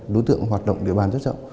đối tượng hoạt động địa bàn rất rộng